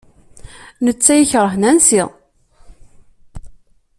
Netta yekṛeh Nancy.